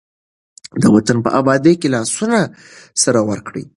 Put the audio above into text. د وطن په ابادۍ کې لاسونه سره ورکړئ.